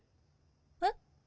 えっ？